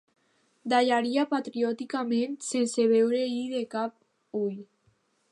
Dallaria patriòticament sense veure-hi de cap ull.